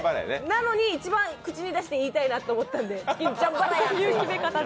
なのに、一番口に出して言いたいなと思ったんで。